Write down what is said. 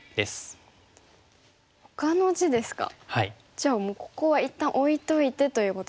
じゃあもうここは一旦置いといてということですか？